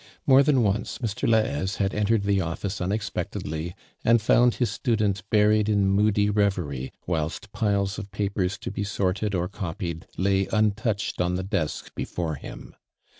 ^lore than once Mr Lahaise had entered the office unexpectedly .and found his student buried in moody reverie whilst piles of papers to be sorted or coi^ied lay untouched on tlie desk before liim.